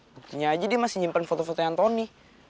mungkin aja dia masih nyimpen foto fotonya antoni